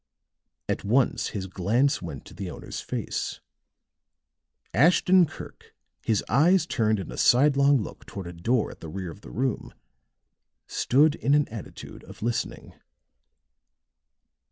At once his glance went to the owner's face; Ashton Kirk, his eyes turned in a sidelong look toward a door at the rear of the room, stood in an attitude of listening.